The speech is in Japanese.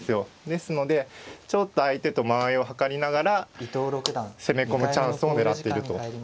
ですのでちょっと相手と間合いを計りながら攻め込むチャンスを狙っていると。